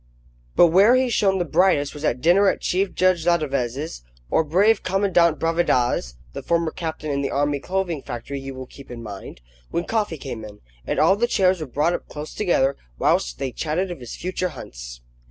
But where he shone the brightest was at dinner at Chief Judge Ladeveze's, or brave Commandant Bravida's (the former captain in the Army Clothing Factory, you will keep in mind), when coffee came in, and all the chairs were brought up closer together, whilst they chatted of his future hunts.